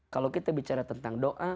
kalau kita bicara tentang doa